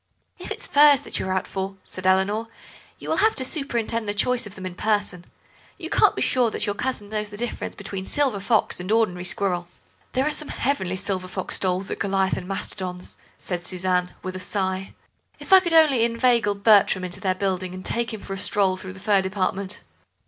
"If it's furs that you're out for," said Eleanor, "you will have to superintend the choice of them in person. You can't be sure that your cousin knows the difference between silver fox and ordinary squirrel." "There are some heavenly silver fox stoles at Goliath and Mastodon's," said Suzanne, with a sigh; "if I could only inveigle Bertram into their building and take him for a stroll through the fur department!"